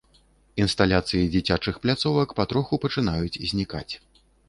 Інсталяцыі дзіцячых пляцовак патроху пачынаюць знікаць.